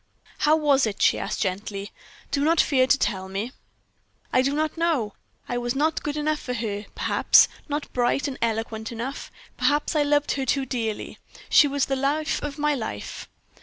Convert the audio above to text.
"How was it?" she asked, gently. "Do not fear to tell me." "I do not know; I was not good enough for her, perhaps not bright and eloquent enough. Perhaps I loved her too dearly. She was the life of my life.